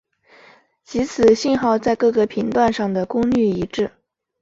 即此信号在各个频段上的功率一致。